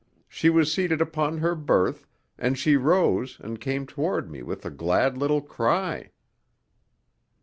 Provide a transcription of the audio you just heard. She was seated upon her berth, and she rose and came toward me with a glad little cry.